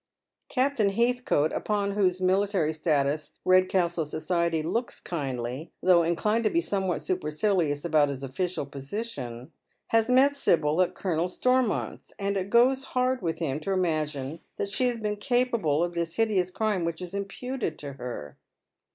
Ca])tain Heathcote, upon whose military status Eedcastle society looks kindly, though inclined to be somewhat supercilious about his official position, has met Sibyl at Colonel Stormont's, and it goes hard with him to imagine that she can have been capable of this hideous crime which is imputed to her.